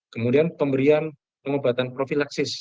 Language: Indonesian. kemudian pemberian pengobatan profilaksis